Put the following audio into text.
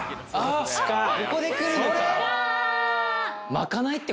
ここで来るのか！